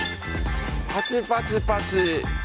パチパチパチ。